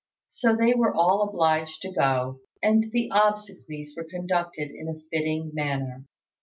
So they were all obliged to go, and the obsequies were conducted in a fitting manner.